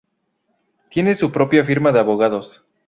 Tiene su propia firma de abogados.